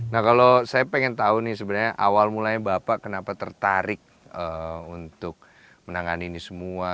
nah kalau saya pengen tahu nih sebenarnya awal mulanya bapak kenapa tertarik untuk menangani ini semua